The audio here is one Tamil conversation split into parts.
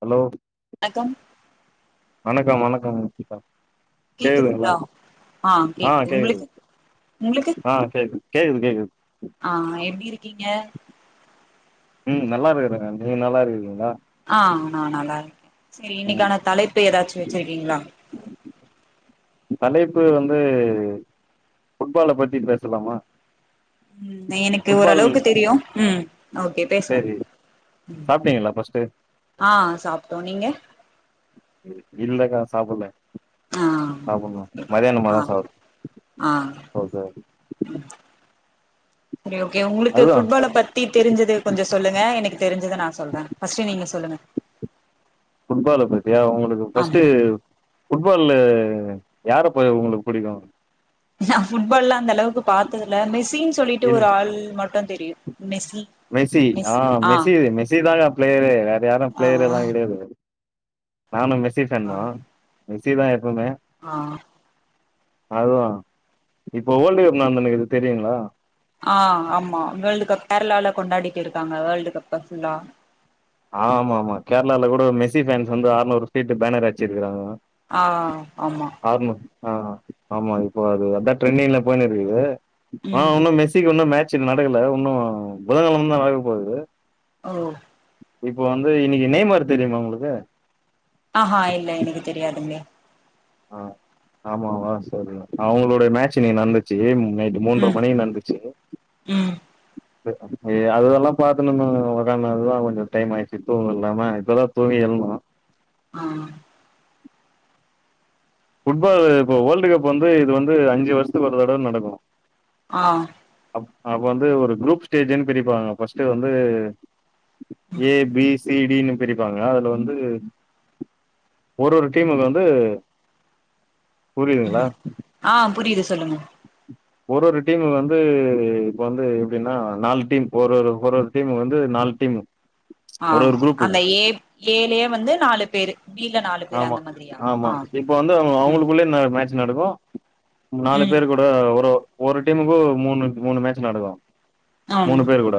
ஹலோ அக்கம் வணக்கோ வணக்கோ [unintelligible] கேலுங்க கேக்குதுங்களா ஆ ஆஹா கேக்குது சேரி உங்களுக்கு ஆஹா சேரி கேக்குது கேக்குது ஆஹாஸ எப்டி இரு க்கீங்க உம் நல்லா இருக்குறங்க நீங்க நல்லா இருக்கீங்களா அஹா நா நல்லா இருக் சேரி ம் இன்னைக்கான தலைப்பு ஏதாச்சு வெச்சிருக்கீங்களா தலைப்பு வந்து ஃபுட்பால பத்தி பேசுலாமா எனக்கு ஓரளவுக்கு தெரியு ம் ஓக்கே பேசலா சரி சாப்ட்டீங்களா ஃபர்ஸ்ட்டு ஆஹா சாப்புட்டோ நீங்க சாப்புல்ல ஆ நா கொஞ்சோ மதியானமதா ஆ சாப் ஆ ஓக்கே ஓகே சேரி ஓகே உங்குளுக்கு அதுதா ஃபுட்பால பத்தி தெரிஞ்சது கொஞ்சோ சொல்லுங்க எனக்கு தெரிஞ்சத நா சொல்றே பஸ்ட்டு நீங்க சொல்லுங்க ஃபுட்பால பத் ஏ உங்களுக்கு ஆமா பஸ்ட்டு ஃபுட் ப்பால யார போ உங்களுக்கு புடிக்கு நா ஃபுட்பால்லா அந்தளவுக் கு பாத்ததுல மிசின் சொல்லிட்டு ஒர் ஆள் மட்டு தெரியு மெஸ்ஸி மெசி மிஸ் ஆஹ் ஆ மெசி மெசி தாங்க பிளேயரே [inaudible] யாரு ஆ பிளேயர் எல்லா கிடையாது நானும் மெஸ்ஸி ஃபேன்தா மெசித [unintelligible] ஆஹ் அது இப்போ வேர்ல்டு கப் நடந்தனுக்கு தெரியுங்களா ஆஹ் ஆமா வேர்ல்டு கப் கேரளால கொண்டாடிட்டு இருக்காங்க வேர்ல்டு கப்பு ஃபுல்லா ஆ ஆமா ஆமா கேரளாலல கூட மெஸ்சி பேரன்ஸ் வந்து அறுநூறு பேனர் அச்சிருக்கறாங்கலா ஆஹ் ஆமா ஆஹ் ஆமா இப்போ அது அதா ட்ரெண்டிஙல்ல போயுனுஇருக்குது ஆஹ ம் ஒன்னு மேசிக்கு ஒன்னு மேட் ச்சு நடக்கல இன்னு புதன்கழம தா நடக்க போகுது ஓ இப்போ வந்து இன்னைக்கு நேம்ரு தெரியுமா உங்களுக்கு ஆஹா இல்ல எனக்கு தெரியாதுங்க ஆஹ் ஆமாமா சரி அவங்களோட மேட்ச் நீ நடந்துச்சு நைட்டு ம் மூன்ரைமணி நந்துச்சு ம் அதெல்லா பாரத்துணுனு உணதுதா கொஞ்சோ டைம் ஆயிடுச்சு தூங்க இல்லாம இப்பெல்லா தூங்கி எழுந்தோ ஆஹ் ஃபுட்பால் இப்போ வேர்ல்டு் கப் வந்து இது வந்து அஞ்சு வருஷத்துக்கு ஒரு தடவ நடக்கு ஆஹ் அப்ப வந்து ஒரு குரூப் ஸ்டேஜ்ன்னு பிரிப்பாங்க பஸ்ட் வந்து ஏ பீச சி டினு பிரிப்பாங்க அதுல வந்து ஒரு ஒரு டீமுக்கு வந்து உம் புரியுதுங்களா ஆ புரியுது சொல்லுங்க ஒரு ஒரு டீமு வந்து இப்ப வந்து எப்படின்னா நாலு டீம் ஒரு ஒரு ஒரு ஒரு டீமு வந்து நாலு டீமு ஆஹ் அந்த ஏ ஏலயே வந்து நாலு பேரு பீல நாலு பேரு ஆமா அந்த மாதிரியா ஆமா ஆஹ் இப்ப வந்து அவங்க உம் அவங்களுக்குள்ளே மேட்ச் நடக்கு முன்னாலு பேரு கூட ஒரு ஒ ஒரு டீமுக்கு மூணு மூணு மேட்ச் நடக்கு ஆம் மூணு பேர் கூட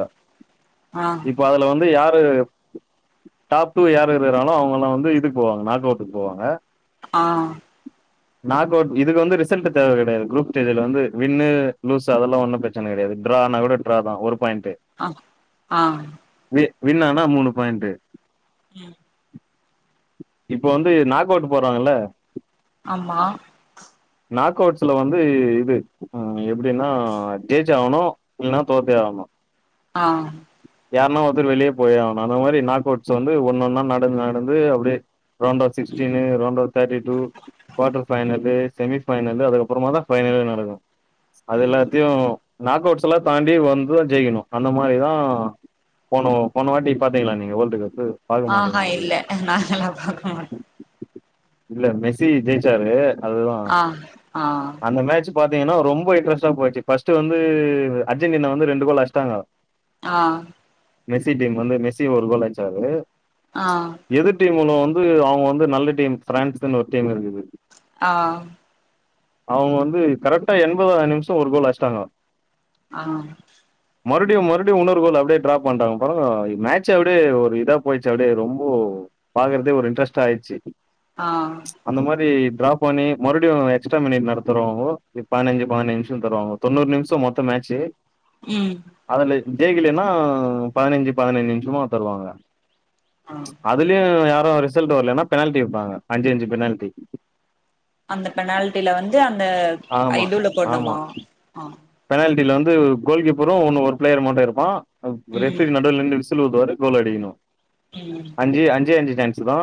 ஆ இப்ப அதுல வந்து யார் து டாப் டூ யார் இருக்குறாங்ளோ அவங்கல்லா வந்து இதுக்கு போவாங்க நாக் அவுட்டுக்கு போவாங்க ஆ நாக் அவுட் இதுக்கு வந்து ரிசல்ட் தேவ கெடையாது குரூப் ஸ்டேஜ்ல வந்து வின் லூஸ் அதெல்லா ஒன்னும் பிரச்சன கெடையாது. ட்ரான்னா கூட ட்ராதா ஒரு பாயிண்ட்டு அவ ஆஹ் வின்னானா மூணு பாயிண்டு ம் இப்போ வந்து நாக் அவுட் போட்றாங்கல்ல ஆமா நாக் அவுட்ஸ்ல வந் து இது அ எப்டின்னா ஜெயிச்சே ஆவணு இல்லன்னா தோத்தே ஆவணு ஆஹ் யார்னா ஒருத்தர் வெளிய போயே ஆவணு அந்த மாரி நாக் அவுட்ஸ் வந்து ஒன்னொன்னா நடந்து நடந்து அப்டியே ரவுண்ட் ஆஃப் ம் சிக்ஸ்டீனு ரவுண்ட் ஆஃப் தேட்டி டூ கோட்டர் ம் ஃபைனலு செமி ஃபைனலு அதுக்கப்பறமா தா ஃபைனலே நடக்கு அது ம் எல்லாத்தையு நாக் அவுட்ஸ்ல்லா தாண்டி வந்து தா ஜெயிக்கணு அந்த மாரி தா போன போன வாட்டி பாத்தீங்களா நீங்க வோல்டு கப் ஆஹ் ஆஹ் இல்ல நால்லா பாக்க மாட் இல்ல மெஸி ஜெயிச்சாரு ஆஹ் ஆஹ் மேட்சு பாத்தீங்கன்னா ரொம்ப இன்ட்ரஸ்ட்டா போயிச்சு ஃபஸ்ட்டு வந்து அர்ஜென்டினா வந்து ரெண்டு கோல் அட்ஸ்ட்டாங்க ஆஹ் மெஸ்ஸி டீம் வந்து மெஸ்ஸி ஒரு கோல் அட்ச்சாரு ஆ எதிர் டீம் ஒன்னு வந் து அவங்க வந்து நல்ல டீம் ஃப்ரான்ஸுன் ஒரு டீம் இருக்குது ஆஹ் அவங்க வந்து கரெக்ட்டா எண்பதாவ்து நிம்ஷோ ஒரு கோல் அட்ஸ்ட்டாங்க ஆஹ் மறுப்டியு மறுப்டியு உன்னோரு கோல் அப்டியே ட்ரா பண்ட்டாங்க பாருங்க மேட்ச்சு அப்டியே ஒரு இதா போயிச்சு அப்டியே ரொம்ப பாக்கறதே ஒரு இன்ட்ரெஸ்ட்டாயிட்ச்சி ஆ அந்த மாரி ட்ராப் பண்ணி மறுடியும் எக்ச்ட்ரா மினிட் தருவாங்க பதினஞ்சு பதின்ச நிமிஷம் தருவாங்க தொண்ணூறு நிமிஷம் மொத்தம் மேச்சு உம் ஜெயிக்கலன்னா பதினைஞ்சு பதினைந்து நிமிஷுமா தருவாங்க ஆ அதுலயு ரிசல்ட் வரலன்னா பெனால்ட்டி வப்பாங்க அஞ்சு அஞ்சு பெனால்ட்டி அந்த பெனால்ட்டில வந்து அந்த ஆமா ஐடுள்ள ஆமா போடணுமா ஆஹ் பெனால்டில வந்து கோல் கீப்பரும் ஒன்னு ஒரு பிளேயர் மட்டும் இருப்பான் அ ரெஃப்ரி ம் ந நடல சொல்லுவது வர கோல் அடிக்கணும் ம் அஞ்சு அஞ்சே அஞ்சு ரண்ட்ஸ் தா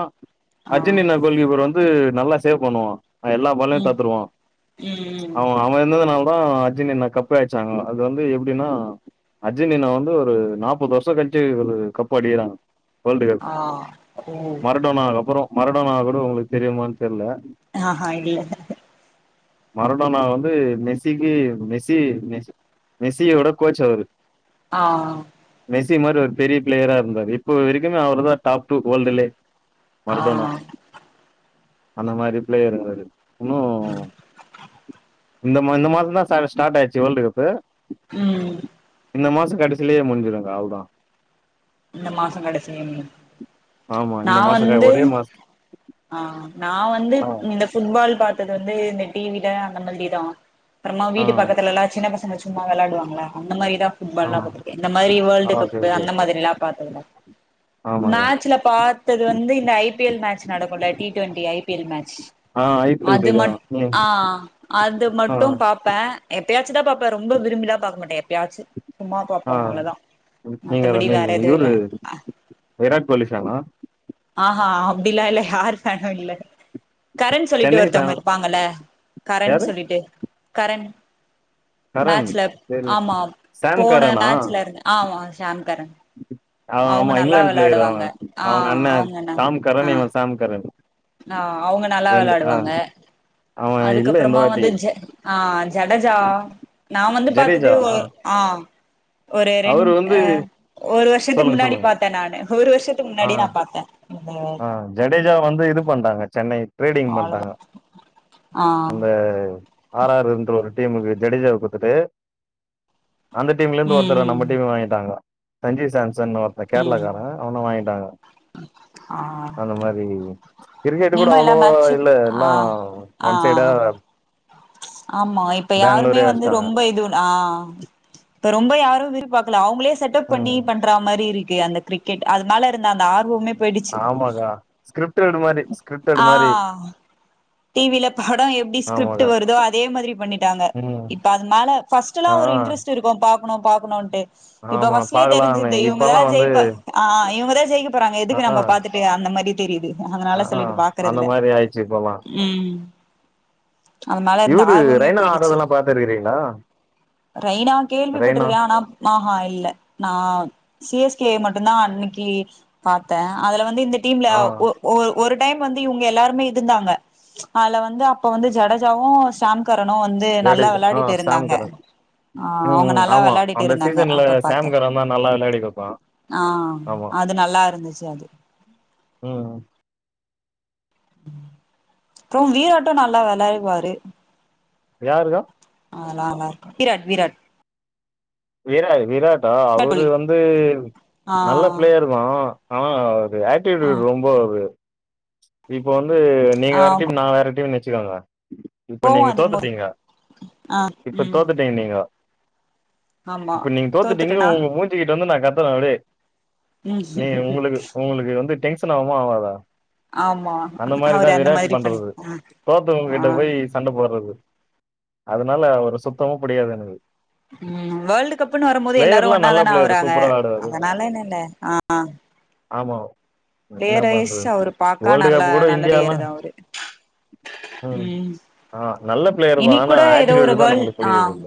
ஆ அஜனின்ன கோல் கிப்பர் ஓன் இது நல்லா சேவ் பண்ணுவா எல்லா பால்லையு ம் ம் தோத்துருவான் ம் அவன் அவன் இருந்ததுனா அ அஜுன் என்ன கப்பு அயச்சாங்க அது வந்து எப்படின்னா அர்ஜென்டினா வந்து ஒரு நாப்பது வருஷம் கழிச்சி ஒரு கப்பு அடிக்கிறாங்க வேர்ல்டு கப் ஆ ஓ மரடோனாக்கு அப்றம் மரடோனா கூட உங்களுக்கு தெரியுமான்னு தெரில ஆஹா இல்ல மரடோனா வந்து மெஸ்ஸிக்கு மெஸ் மெஷி மெஷி மெஸியோட கோச் அவரு ஆஹ் மெஷி மாரி ஒரு பெரிய பிளேயரா இருந்தாரு இப்போ வரைக்குமே அவர் தான் டாப் டூ வேல்டுலே ஆஹ் அந்த மாரி பிளயரு அவரு இன்னு உம் இந்த மா இந்த மாசம் தான் [unintelligible] ஸ்டார்ட் ஆயிச்சு வேர்ல்ட் கப்பு உம் இந்த மாசம் கடைசிலயே முடிஞ்சுருங்க்க அவளதா இந்த மாசம் கடைசிய ஆமா இந்த நான் மாச க வந்து ஒரே மாச ஆஹ் நான் வந்து ஆ இந்த புட்பால் பாத்து தது வந்து இந்த டி வில அந்த மாதிரி தான் அப்புறமா ஆ வீடு பக்கத்துலல்லாம் சின்ன பசங்க சும்மா விளையாடுவாங்கயில்ல அந்த மாதிரி தான் ஆமா புட்பால்லாம் பாத்திருக்கன் இந்த மாதிரி ஆ வேர்ல்டு ஓகே கப்பு ஓகே அந்த மாதிரிலாம் ஆமாங்க மேட்சல பாத்தது வந்து இந்த ஐ பி எல் மேட்ச் நடக்கும்ல T twenty I P L மேட்ச ஆ ஐ பி எல் அது தெரியு மட்டும் ம் ஆஹ் அது ஆ மட்டு பாப்பே எப் எப்பயாச்சு தா பாப்பேன் ரொம்ப விரும்பிலா பாக்கமாட்டே எப்பயாச்சு சும்மா பாப்போ ஆ அவ்ளோதா நீங்க மத்தபடி ரமேஷ் வேற தெரில இவரு ஆ விராட் கோலி ஃபேனா ஆஹா அப்டிலா இல்ல யாரு பேனோ இல்ல கரண் சொல்லிட்டு சென்னை ஒருத்தங்க ஃபேனா இருப்பாங்கல்ல கரண் யாரு சொல்லிட்டு கரண் கரண் மேட்சுல தெர்ல ஆமாம் சாம் போன கரனா மேட்சுல இருந் ஆமா சாம்கரண் ஆமா இங்கிலாந்து பிளேயர் அவன் ஆ அவுங்க அண்ண அவங்கனா ஆ தாம்கரண் இவன் சாம்கரண் ஆ அவங்க நல்லா விளையாடுவாங்க அவ இல்ல இந்த அதுக்கப்பறமா வாட்டி வந்து ஜ ஆ ஜடஜா நான் வந்து பாத்துட்டு ஒரு ஆ ஒரு ரெண் அவரு வந்து அ ஒரு வருஷத்துக்கு சொல்லுங்க முன்னாடி சொல்லுங்க பார்த்தேன் நானு ஒரு வருஷத்துக்கு முன்னாடியே நான் பார்த்தேன் இந்த டேஜாவ வந்து இது பண்றாங்க சென்னை ட்ரீடிங் அவ்ளோதா பண்ட்டாங்க ஆ அந்த ஆறாற் இருந்து ஒரு டீமுக்கு ஜடேஜாவ கொடுத்துட்டு அந்த டீம்ல இருந்து ஒருத் ம் பெற நம்ம ம் டீம்ம வாங்கிட்டாங்க சஞ்சீவ் சாம்ஸ் சன் ஒருத்த ம் கேரளகாரே அவன வாங்கிட்டாங்க ஆ அந்த மாறி கிரிக்கெட் கூட நீங்களு எல்லா அவ்ளோவா மேட்சு இல்ல ஆ எல்லா ஆ ஒன் சைடா ஆமா இப்ப யாருமே பெங்களூரே வந்து அடிச்சிட்டாங்க ரொம்ப இதுன் ஆ ரொம்ப யாரும் எதிர் பாக்கல அவுங்களே செட்டப் பண்ணி ம் பண்றா மாறி இருக் டி அந்த கிரிக்கெட் அதுனால ந்த அந்த ஆர்வமே போய்டுச்சு ஆமாக்கா ஸ்கிரிப்டட் மாரி ஸ்கிரிப்டட் ஆ மாரி டிவில பட எப்படி ஸ்கிரிப்ட் ஆமாக்கா வருதோ அதே மாதிரி பண்ணிட்டாங்க ம் இப்ப அதுமேல பஸ்ட்லா ஆ ஒரு இன்ட்ரெஸ்ட் இருக்கு பாக்கணு பாக்கணுன்ட்டு இப்ப ஆமா வஸ்லய பாக்கலான்னு தெரிஞ்சது இப்பல்லா இவங்கதான் வந்து ஜெயிப்ப ஆ இவங்க பிரஜயம் [unintelligible] ங்க ஆ எதுக்கு ஆ நம்ம பாத்துட்டு அந்த மாதிரி தெரியுது அதனால ஆ சொல்லிட்டு அந்த பாக்குறதுல மாதிரி ஆயிருச்சு இப்பல்லாம் ம் அது மேல இருந்த இவரு ஆர்வமே ரெய்னா போயிடுச்சு ஆடுறதெல்லா பாத்துருக்கிறீங்களா ரெய்னா ரெய்னா கேள்விப்பட்ருக்கேன் ஆனா ம் ஆ இல்ல நான் சிஎஸ்கே மட்டு நான் அன்னைக்கு பாத்தேன் அதுல வந்து இனி இந்த டீம்ல ஆ ஒ ஒரு ஒரு டைம் வந்து இவங்க எல்லாருமே இருந்தாங்க அதுல வந்து அப்ப வந்து ஜடஜாவும் சாம்கர் வந்து நல்லா ஜடேஜா ஆ விளையாடிட்டு சாம் இருந்தாங்க கரன் ஆ ம் அவங்க ம், நல்லா ஆமா விளையாடிட்டு அந்த இருந்தாங்க சீசன்ல அப்ப பாத்தே சாம் கரன் தா நல்லா விளையாடி குடுப்பா ஆ ஆமா அது நல்லா இருந்துச்சு அது ம் அப்புறம் வீராட்டும் நல்லா விளையாடுவாரு யாருக்கா ஆ ந நல்லா இருக்கும் விராட் விராட் விர் விராட்டா அவரு கோலி வந்து ஆ நல்ல பிளேயரு தான் ஆனா ஆக்டிவிட்டி ஆ ரொம்ப ஒரு ம் இப்ப வந்து நீங்க ஆ வேற டீம் நான் வேற டீம் வச்சு வச்சுக்கங்க இப்ப கோவோ நீங்க அதிகமா தோத்துட்டீங்க ஆ இப்ப ம் தோத்துட்டீங்க நீங்க ஆமா இப்ப நீங்க தோத்துட்டீங்கு தோத்துட்டனா உங்க மூஞ்சுிக்கிட்டு வந்து நான் கத்த அட [unintelligible] நீ ம் உங்களுக்கு உங்களுக்கு வந்துட்டேன் னமா [unintelligible] ஆகாதா ஆமா அந்த அவரு மாதிரிதான் அந்த விராட்டு மாதிரி பண்ணி பண்றது ஆ தோத்தவங்க ஆ கிட்ட போய் சண்ட போடுறது அதனால அவர சுத்தமா புடிக்காது எனக்கு உம் வேர்ல்டு கப்புன்னு வரும் போது எல்லாரும் பிளேயர்லாம் ஒண்ணா நல்ல தானே பிளேயர் வர்றாங்க சூப்பரா ஆடுவாரு. அதனால என்னங்க இ ஆ ஆமா என்ன பேர் வயசு பண்றது? அவரு பாக்க வேர்ல்டு நல்லா கப் கூட நல்ல பேரு இந்தியாலாம் தான் அவருக்கு ம். ஆ நல்ல பிளேயர் தான் இன்னிக்கு ஆனா கூட ஏதோ ஒரு ஆட்டிடியூடு தான் வேல்ட நம்மளுக்கு ஆ புடிக்கிறது இல்ல.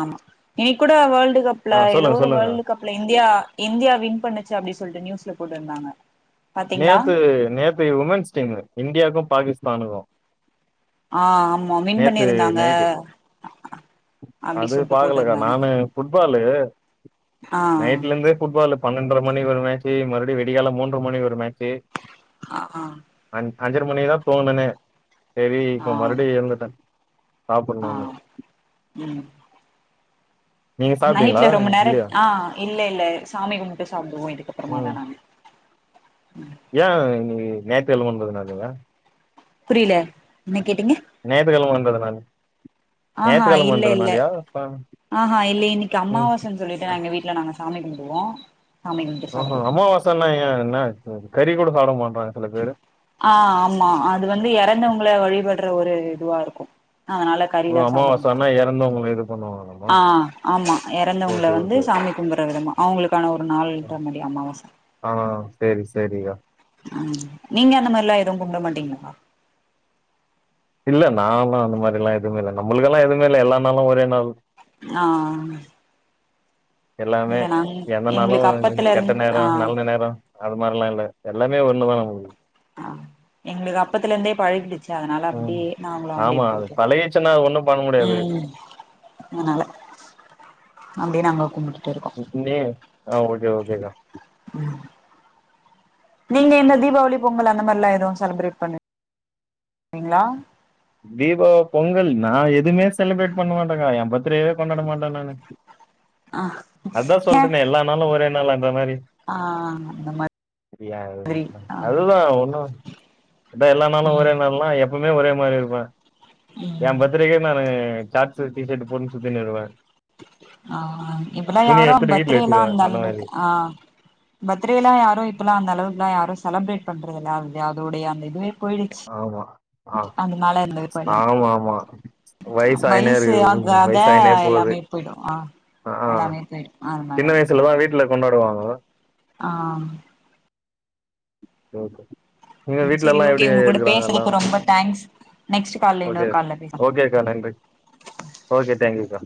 ஆமா இன்னிக்கு கூட வேர்ல்டு கப்ல ஆ ஏதோ சொல்லுங்க ஒரு சொல்லுங்க. வேர்ல்டு கப்ல இந்தியா இந்தியா வின் பண்ணுச்சு அப்டின்னு சொல்லிட்டு நியூஸ்ல போட்டு [unintelligible] நேத்து நேத்து உமன்ஸ் டீமு இண்டியாக்கு பாகிஸ் தானுக்கு ஆ ஆமா வின் நேத்து பண்ணிருந்தாங்க நைட்டு அப்டி அது சொல்ட்டு பாக்கலக்கா போட்டுருந்தாங்க நானு ஃபுட்பாலு ஆ நைட்டுலருந்து ஃபுட்பாலு பன்னென்ர மணி வர மேட்சு மறுபடி வெடிகால மூன்ர மணி வ ர மேச்சு ஆஹ் ஆஹ் அஞ்சர மணி தா தோணுனே சரி இப்போ மறுபடியு இருந்துட்டே ஆஹ் உம் நீங்க சாப்பிட்டீங்களா? நைட்ல ரொம்ப நேரோ இல்லையா? ஆஹ் இல்ல இல்லே சாமி கும்ட்டு சாப் பிடுவோ இதுக்கப்புறமா நானு ஏ [unintelligible] புரியல என்ன கேட்டீங்க நேத்து கிழம வந்நதுனாலயா ஆஹ்ஹா இல்ல இல்ல ஆஹ்ஹா இல்ல இன்னிக்கு ம். அமாவாசன் சொல்லிட்டு எங்க வீட்டுல நாங்க சாமி கும் பிடுவோ ஓஹோ அமாவாசன ஏ என்ன கறி கூட சாப்ட மாட்றாங்க சில பேரு ஆஹ் ஆமா அது வந்து இறந்தவங்கள வழிபடுற ஒரு இதுவா இருக்கு அதனால ஓ கறில்லா சாப்பிட மாட்டே அமாவாசன்னா எறந்தவங்கள இது பண்ணுவாங்களாமா ஆஹ் ஆமா இறந்தவங்கள ஓகே வந்து ஓகே சாமி கும்புட்ற விதமா அவங்களுக்கான ஒரு நாள்ன்ற மாரி அமாவச ஆ சேரி சேரிக்கா உம் நீங்க அந்த மாரிலா எது கும்பிட மாட்டீங்களப்பா இல்ல நாலா அந்த மாரில்லா எது இல்ல நம்மளுக்கெல்லா எதும இல்ல எல்லா நாளு ஒரே நாள் ஆஹ் எல்லாமே எந்த நாளு எங்களுக்கு இதுன் அப்பத்துல இருந் கெட்ட ஆ நேரோ நல்ல நேரோ அது மாரில்லா இல்ல எல்லாமே ஒண்ணு தா நமக்கு ஆ எங்களுக்கு அப்பத்துல இருந்தே பழகிடுச்சு அதனால ம் அப்படியே நாங்களு அப்படியே ஆமா அது போயிட்டே பழகிச்சுன்னா அது ஒண்ணு பண்ண முடியாது உம் அதனால அப்டியே நாங்க கும்புட்டு [unintelligible] ஆஹ் ஓகே ஓகேக்கா நீங்க இந்த தீபாவளி பொங்கல் அந்த மாரிலா எதுவு செலிப்ரேட் பண் ணீங்களா தீபோ பொங்கல் நா எதுமே செலிப்ரேட் பண்ண மாட்டங்கா எ பர்த்டேவே கொண்டாட மாட்டே நானு ஆ அதா ஏ சொல்றனே எல்லா நாலு ஒரே நாலா அந்த மாரி ஆ அந்த மாதிரி [unintelligible] ஆ அதுதா ஒன்னு விட்டா எல்லா நாளு ம் ஒரே நாள்ன்னா எப் எப்பவுமே ஒரே மாதிரி இருக்கும் வா ம் என் பர்த்தடேக்கு நானு சாட்ஸ் டிஷர்ட்டு போட்டுன்னு சுத்திட்டு இருப்பேன் ஆஹ் இப்பல்லாம் யாரோ வீட்ல பர்த்டேலாம் வச்சிருவே அந்த மாரி அளவுக்கு ஹா பர்த்டேலாம் யாரும் இப்பல்லாம் அந்த அளவுக்கு எல்லாம் யாரும் செலப்ரேட் பண்றதுல்லாம் அதோடைய அந்த இதுவே போயிடுச்சு ஆமாம் ஆஹ் அதனால இந்த இப்ப எல்லா ஆமா ஆமா வயசாயினே வயசு ஆக இருக்கு ஆக வயசாயினே போகுது எல்லாமே போயிடு ஆ ஆஹ் ஆஹ் எல்லாமே போயிடு அதனால சின்ன வயசுலதான் வீட்டுல கொண்டாடுவாங்க ஆஹ் ஓகே நீங்க வீட்டுல சரி எல்லாம் எப்படி ஓகே உங்க கூட இருக்கறாங்க எல்லாம் பேசுறதுக்கு ரொம்ப தேங்க்ஸ் நெக்ஸ்ட் கால்ல ஓகே இன்னொரு கால்ல பேசலா ஓகேக்கா நன்றி ஓகே டேங்க்யூக்கா